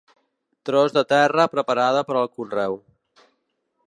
Tros de terra preparada per al conreu.